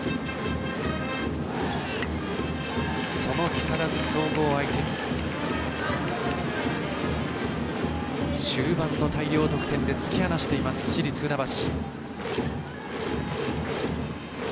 その木更津総合相手に終盤の大量得点で突き放しています、市立船橋。